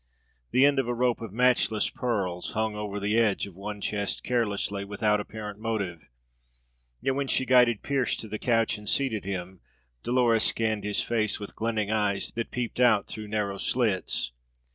The end of a rope of matchless pearls hung over the edge of one chest carelessly, without apparent motive; yet when she guided Pearse to the couch and seated him, Dolores scanned his face with glinting eyes that peeped out through narrow slits.